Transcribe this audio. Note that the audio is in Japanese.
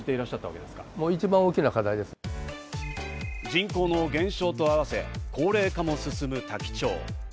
人口の減少と合わせ高齢化も進む多気町。